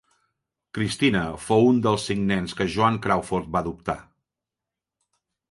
Christina fou una dels cinc nens que Joan Crawford va adoptar.